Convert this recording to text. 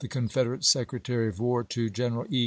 Confederate Secretary of War, to General E.